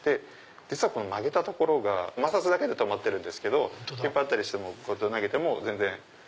実は曲げた所が摩擦だけで留まってるんですけど引っ張ったりしてもこうやって投げても全然。